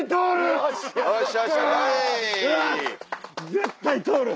絶対通る。